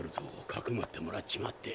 かくまってもらっちまって。